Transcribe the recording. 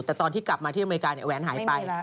แต่ตอนที่กลับมาที่อเมริกาเนี่ยแหวนหายไป